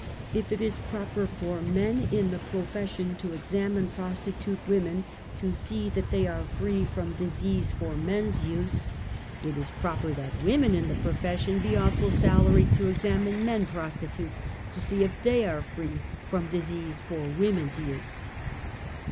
If it is proper for men in the pro fession to examine prostitute women to see that they are free from disease for men's use, it is as proper that women in the profession be also salaried to ex amine men prostitutes to see if they are free from .disease for women's use.